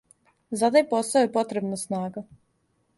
За тај посао је потребна снага.